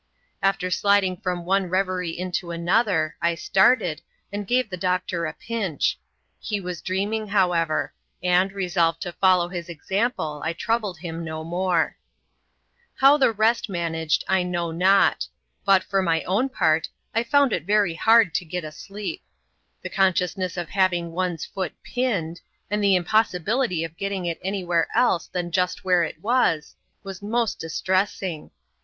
After sliding from one revery into another, I started^ and gawe the doctor a pinch. He was dreaming, however ; and, aoaolved to foUow his example, I troubled him no more. . Bow the rest znanaged, I know not •, \i\ifc, tot loj wpa. "^wii^ I 4 120 ADVENTURES IN THE SOUTH SEA& [chap. xxn. I found it very hard to get asleep. The consciousness of having one's foot pinned^ and the impossibiCtj of getting it anywhere else than just where it was, was most distressing.